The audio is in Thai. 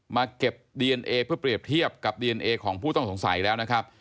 มาเก็บดีเอนเอเพื่อเปรียบเทียบกับดีเอนเอของผู้ต้องสงสัยแล้วนะครับ